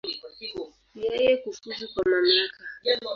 Yeye kufuzu kwa mamlaka.